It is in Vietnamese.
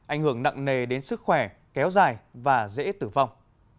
ảnh hưởng nặng nề đến sức khỏe kéo dài và dễ tử vong